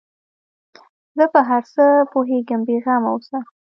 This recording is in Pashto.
زه په هر څه پوهېږم بې غمه اوسه.